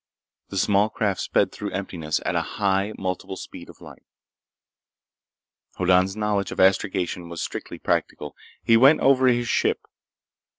The small craft sped through emptiness at a high multiple of the speed of light. Hoddan's knowledge of astrogation was strictly practical. He went over his ship.